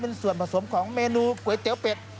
เป็นส่วนผสมของเมนูก๋วยเตี๋ยวเป็ด